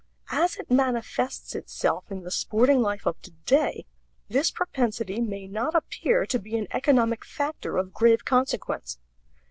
As it manifests itself in the sporting life of today, this propensity may not appear to be an economic factor of grave consequence.